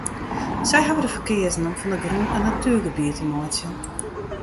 Sy hawwe der foar keazen om fan de grûn in natuergebiet te meitsjen.